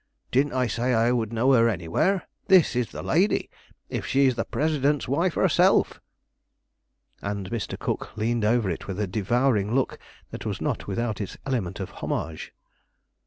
Didn't I say I would know her anywhere? This is the lady, if she is the president's wife herself." And Mr. Cook leaned over it with a devouring look that was not without its element of homage.